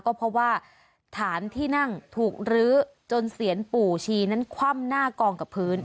ก็เพราะว่าฐานที่นั่งถูกรื้อจนเสียนปู่ชีนั้นคว่ำหน้ากองกับพื้น